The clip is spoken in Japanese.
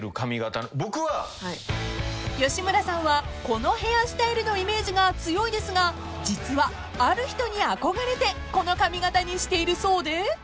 ［吉村さんはこのヘアスタイルのイメージが強いですが実はある人に憧れてこの髪形にしているそうで］